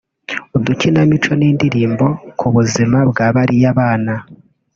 udukinamico n’indirimbo ku buzima bwa bariya bana